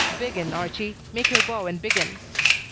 Begin, Archie. Make your bow and begin."